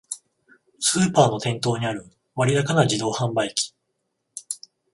スーパーの店頭にある割高な自動販売機